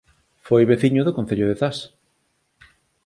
Foi veciño do Concello de Zas